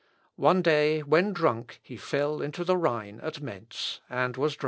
One day, when drunk, he fell into the Rhine at Mentz, and was drowned.